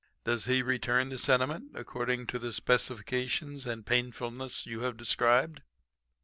Does he return the sentiment according to the specifications and painfulness you have described?'